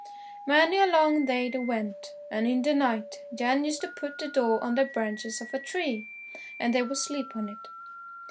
Many a long day they went, and in the night Jan used to put the door on the branches of a tree, and they would sleep on it.